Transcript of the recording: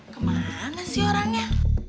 kemana sih orangnya